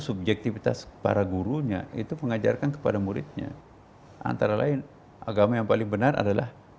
subjektivitas para gurunya itu mengajarkan kepada muridnya antara lain agama yang paling benar adalah